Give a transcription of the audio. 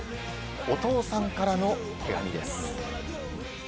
お父さんからの手紙です。